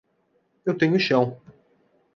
Eu tenho chão